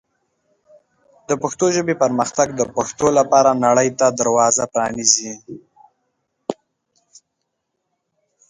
د پښتو ژبې پرمختګ د پښتو لپاره نړۍ ته دروازه پرانیزي.